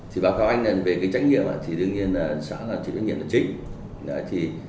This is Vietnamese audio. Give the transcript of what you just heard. thì bà cao anh về trách nhiệm thì đương nhiên là xã là trách nhiệm chính